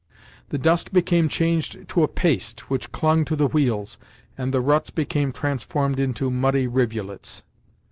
The dust became changed to a paste which clung to the wheels, and the ruts became transformed into muddy rivulets.